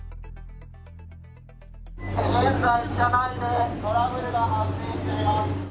現在、車内でトラブルが発生しています。